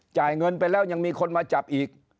จ่ายเงินไปแล้วยังมีคนมาจับอีก